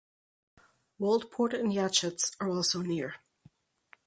Waldport and Yachats are also near.